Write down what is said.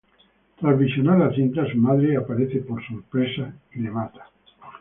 Tras visionar la cinta, su madre aparece por sorpresa y le mata.